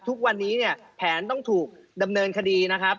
ทุกวันนี้เนี่ยแผนต้องถูกดำเนินคดีนะครับ